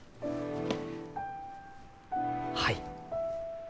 はい。